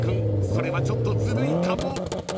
それはちょっとずるいかも］